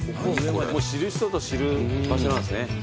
知る人ぞ知る場所なんですね。